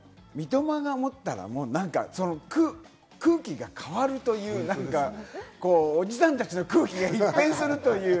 三笘が持ったら何か、空気が変わるという何か、おじさんたちの空気も一変するという。